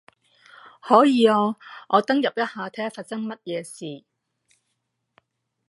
可以啊，我登入一下睇下發生乜嘢事